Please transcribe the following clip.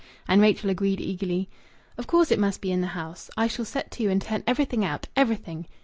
And Rachel agreed eagerly "Of course it must be in the house! I shall set to and turn everything out. Everything!"